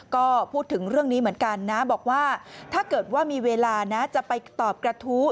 ก็พูดถึงเรื่องนี้เหมือนกันนะบอกว่าถ้าเกิดว่ามีเวลานะจะไปตอบกระทู้